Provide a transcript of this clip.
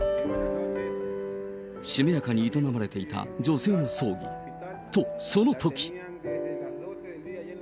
しめやかに営まれていた女性の葬儀。と、そのとき。